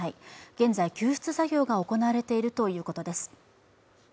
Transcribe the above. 現在、救出作業が行われているということです。